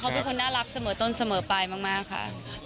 เขาเป็นคนน่ารักเสมอต้นเสมอไปมากค่ะ